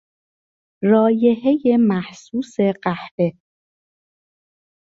رایحهی محسوس قهوه